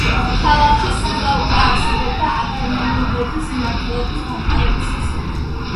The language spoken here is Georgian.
ქალაქი სუზა უკვე არსებობდა აქემენიდების მმართველობის დამყარებისას.